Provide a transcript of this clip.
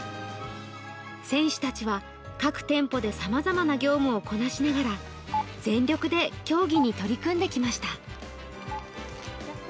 選手たちは各店舗でさまざまな業務をこなしながら全力で競技に取り組んできました。